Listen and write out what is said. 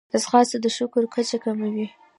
ځغاسته د شکر کچه کموي